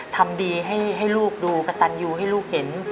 ทำดีให้ลูกดูกระตันยูให้ลูกเห็น